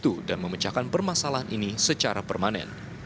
tetapi akan mengembangkan perusahaan ini secara permanen